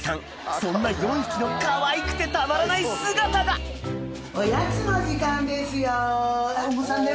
そんな４匹のかわいくてたまらない姿がお芋さんだよ